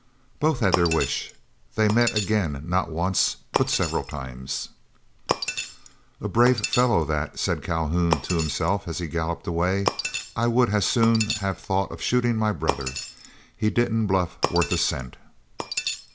Both had their wish; they met again, not once, but several times. "A brave fellow, that," said Calhoun to himself, as he galloped away. "I would as soon have thought of shooting my brother. He didn't bluff worth a cent."